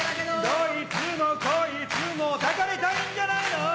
どいつもこいつも抱かれたいんじゃないの